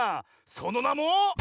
そのなも。